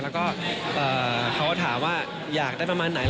แล้วก็เขาถามว่าอยากได้ประมาณไหน